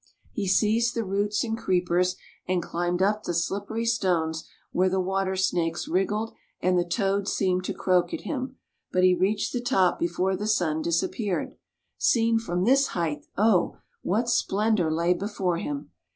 He seized the roots and creepers, and climbed up the slippery stones where the water snakes wriggled and the toads seemed to croak at him; but he reached the top before the sun dis appeared. Seen from this height, oh ! what splendour lay before him!